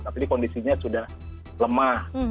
tapi kondisinya sudah lemah